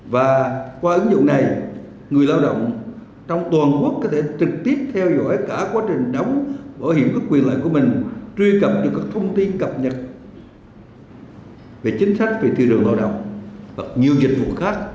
và qua ứng dụng này người lao động trong toàn quốc có thể trực tiếp theo dõi cả quá trình đóng bảo hiểm các quyền lợi của mình truy cập được các thông tin cập nhật về chính sách về thị trường lao động và nhiều dịch vụ khác